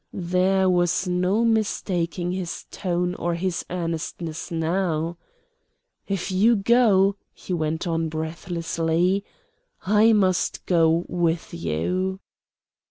There was no mistaking his tone or his earnestness now. "IF you go," he went on, breathlessly, "I must go with you."